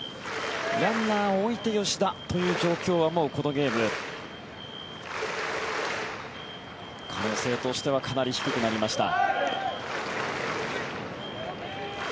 ランナーを置いて吉田という状況はもうこのゲーム、可能性としてはかなり低くなりました。